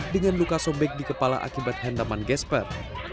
dengan luka sobek di kepala akibat hendaman gasper